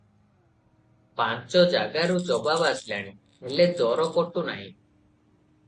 ପାଞ୍ଚ ଯାଗାରୁ ଜବାବ ଆସିଲାଣି, ହେଲେ ଦର ପଟୁନାହିଁ ।